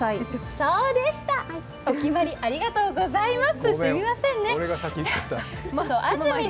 そうでした、お決まり、ありがとうございます。